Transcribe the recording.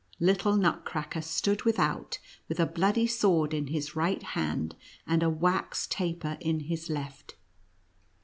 Little Nutcracker stood without, with a bloody sword in his right hand, and a wax taper in his left.